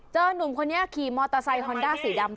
หนุ่มคนนี้ขี่มอเตอร์ไซค์ฮอนด้าสีดำ